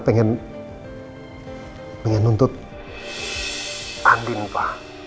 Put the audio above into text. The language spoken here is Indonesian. pengen nuntut andin pak